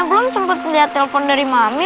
belum sempet lihat telepon dari mami